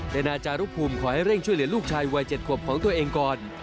แต่นาจารุภูมิขอให้เร่งช่วยเหลือลูกชายวัย๗ขวบของตัวเองก่อน